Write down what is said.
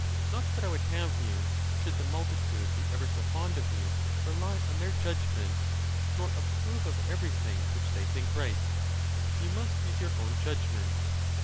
Not that I would have you, should the multitude be ever so fond of you, rely on their judgment, nor ap prove of everything which they think right: you must use your own judgment.